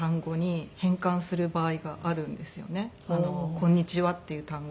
「こんにちは」っていう単語とか。